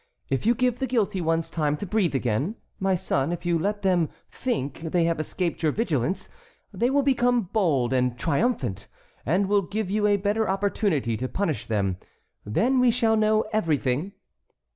If you give the guilty ones time to breathe again, my son, if you let them think they have escaped your vigilance, they will become bold and triumphant, and will give you a better opportunity to punish them. Then we shall know everything."